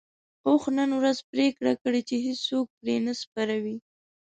اوښ نن ورځ پرېکړه کړې چې هيڅوک پرې نه سپروي.